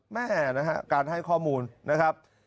แม่นะฮะการให้ข้อมูลนะครับ